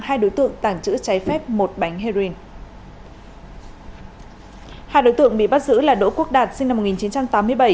hai đối tượng tàng trữ trái phép một bánh heroin hai đối tượng bị bắt giữ là đỗ quốc đạt sinh năm